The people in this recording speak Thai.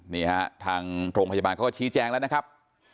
นี่ฮะทางโรงพยาบาลเขาก็ชี้แจงแล้วนะครับ